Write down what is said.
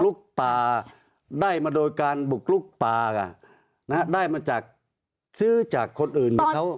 ลุกป่าได้มาโดยการบุกลุกป่านะฮะได้มาจากซื้อจากคนอื่นที่เขา